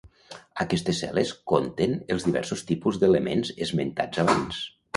Aquestes cel·les conten els diversos tipus d’elements esmentats abans.